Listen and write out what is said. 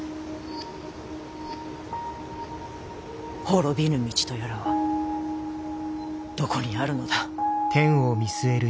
滅びぬ道とやらはどこにあるのだ。